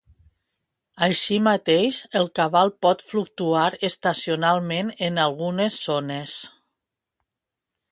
Així mateix, el cabal pot fluctuar estacionalment en algunes zones.